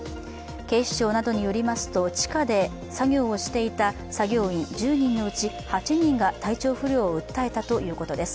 警視庁などによりますと地下で作業をしていた作業員１０人のうち８人が体調不良を訴えたということです。